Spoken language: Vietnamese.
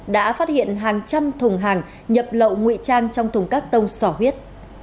đã phát hiện hàng trăm thùng hàng nhập lậu ngụy trang trong thùng các tông sỏ huyết